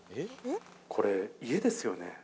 これ、家ですよね？